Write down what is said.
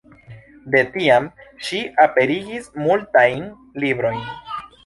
De tiam ŝi aperigis multajn librojn.